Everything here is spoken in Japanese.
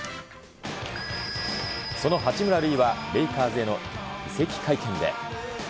その八村塁は、レイカーズへの移籍会見で。